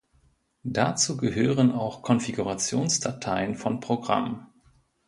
Dazu gehören auch Konfigurationsdateien von Programmen.